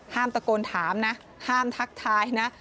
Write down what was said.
ตะโกนถามนะห้ามทักทายนะ